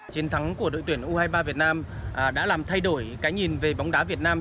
chiến thắng của đội tuyển u hai mươi ba việt nam đã làm thay đổi cái nhìn về bóng đá việt nam